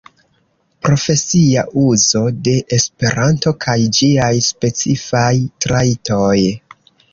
Profesia uzo de Esperanto kaj ĝiaj specifaj trajtoj.